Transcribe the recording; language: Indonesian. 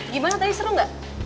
gimana tadi seru gak